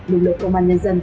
lực lượng công an nhân dân